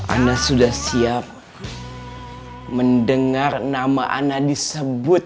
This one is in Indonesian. anda sudah siap mendengar nama anda disebut